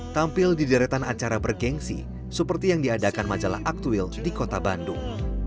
tampil di deretan acara bergensi seperti yang diadakan majalah aktuil di kota bandung